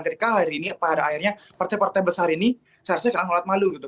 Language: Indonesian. ketika hari ini pada akhirnya partai partai besar ini seharusnya kerang sholat malu gitu